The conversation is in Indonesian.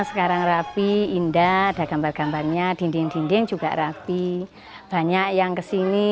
sekarang rapi indah ada gambar gambarnya dinding dinding juga rapi banyak yang kesini